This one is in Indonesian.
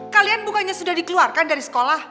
kalian bukannya sudah dikeluarkan dari sekolah